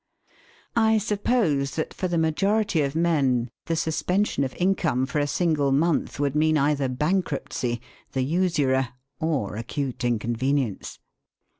I suppose that for the majority of men the suspension of income for a single month would mean either bankruptcy, the usurer, or acute inconvenience.